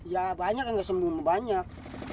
ya banyak yang nggak sembuh banyak